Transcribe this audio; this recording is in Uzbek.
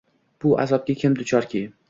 Bu azobga kim duchorki